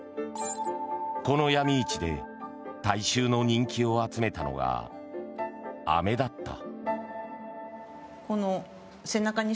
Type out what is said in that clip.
このヤミ市で大衆の人気を集めたのが飴だった。